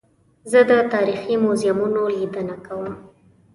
زه د تاریخي موزیمونو لیدنه کوم.